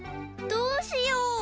どうしよう？